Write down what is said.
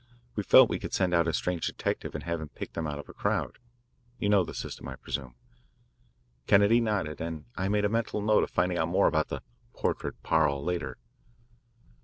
We felt we could send out a strange detective and have him pick them out of a crowd you know the system, I presume? Kennedy nodded, and I made a mental note of finding out more about the "portrait parle" later.